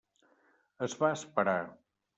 Es va esperar.